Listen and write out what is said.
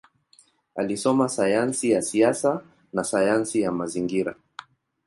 Alisoma sayansi ya siasa na sayansi ya mazingira.